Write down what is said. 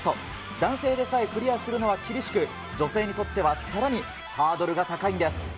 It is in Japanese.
男性でさえクリアするのは厳しく、女性にとってはさらにハードルが高いんです。